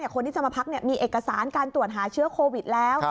คนที่จะมาพักมีเอกสารการตรวจหาเชื้อโควิดแล้ว